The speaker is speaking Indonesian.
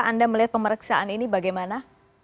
anda melihat pemeriksaan ini bagaimana